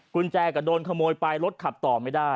กุญแจก็โดนขโมยไปรถขับต่อไม่ได้